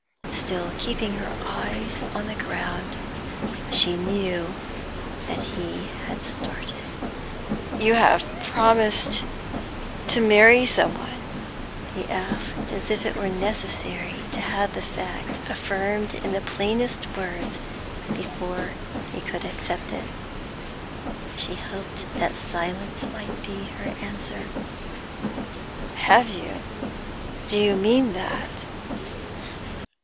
Still keeping her eyes on the ground, she knew that he had started. 'You have promised to marry some one?' he asked, as if it were necessary to have the fact affirmed in the plainest words before he could accept it. She hoped that silence might be her answer. 'Have you? Do you mean that?'